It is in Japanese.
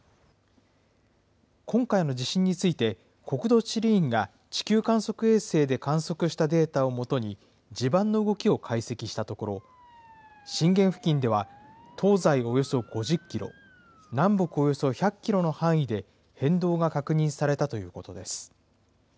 今回の地震について、国土地理院が地球観測衛星で観測したデータを基に、地盤の動きを解析したところ、震源付近では、東西およそ５０キロ、南北およそ１００キロの範囲で、変動が確認されたということです。